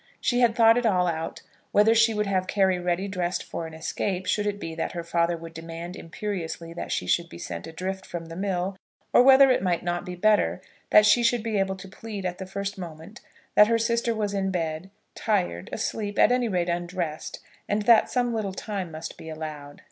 She had thought it all out, whether she would have Carry ready dressed for an escape, should it be that her father would demand imperiously that she should be sent adrift from the mill, or whether it might not be better that she should be able to plead at the first moment that her sister was in bed, tired, asleep, at any rate undressed, and that some little time must be allowed.